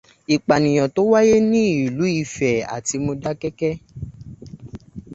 Ìpànìyàn tó wáye ní ìlú Ifẹ̀ àti Mọdákẹ́kẹ́.